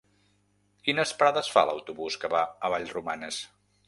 Quines parades fa l'autobús que va a Vallromanes?